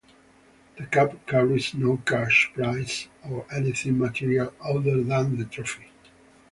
The Cup carries no cash prizes or anything material other than the trophy.